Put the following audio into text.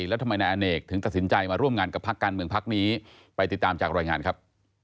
นานี้ไหนครับนานี้ไหนครับ